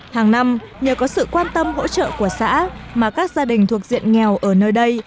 hàng năm nhờ có sự quan tâm hỗ trợ của xã mà các gia đình thuộc diện nghèo ở nơi đây